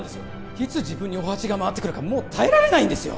いつ自分にお鉢が回ってくるかもう耐えられないんですよ